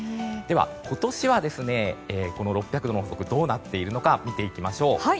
では、今年はこの６００度の法則はどうなっているのか見ていきましょう。